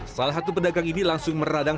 salah satu pedagang ini langsung meradang